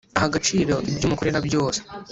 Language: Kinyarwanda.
Aha agaciro ibyo umukorera byose